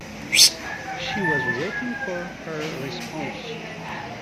She was waiting for her response.